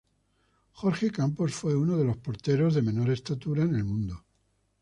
Jorge Campos fue uno de los porteros de menor estatura en el mundo.